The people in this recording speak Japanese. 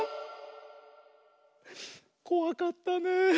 こわかったねえ。